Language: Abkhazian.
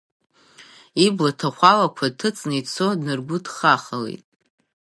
Ибла ҭахәалақәа ҭыҵны ицо днаргәыдхахалеит.